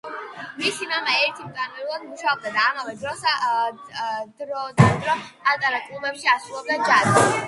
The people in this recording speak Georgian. მისი მამა, ენდი მტვირთავად მუშაობდა და ამავე დროს დროდადრო პატარა კლუბებში ასრულებდა ჯაზს.